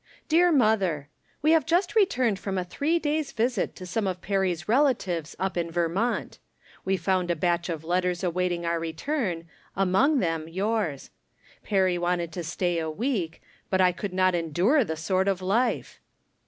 Dear Mother : We have just retirrned from a 'tliree days' visit to some of Perry's relatives up in Vermont. We found a batch of letters awaiting our return, among them yours. Perry wanted to stay a week, but I could not endure the sort of life.